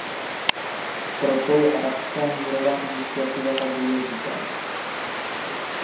Proto je arabská mírová iniciativa tak důležitá.